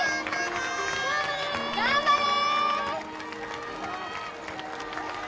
頑張れ！